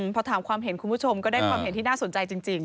พอถามความเห็นคุณผู้ชมก็ได้ความเห็นที่น่าสนใจจริง